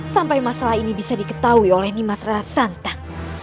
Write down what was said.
sampai masalah ini bisa diketahui oleh nimas rasantak